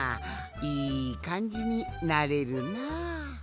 いいかんじになれるなあ。